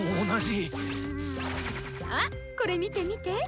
あこれ見て見て。